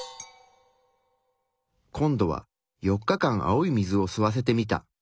今度は４日間青い水を吸わせてみた。